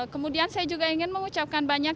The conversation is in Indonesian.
kemudian saya juga ingin mengucapkan banyak